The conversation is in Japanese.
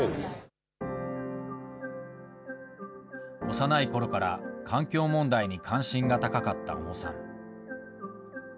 幼いころから環境問題に関心が高かった小野さん。